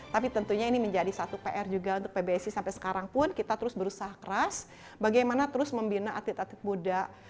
tapi tentunya ini menjadi satu pr juga untuk pbsi sampai sekarang pun kita terus berusaha keras bagaimana terus membina atlet atlet muda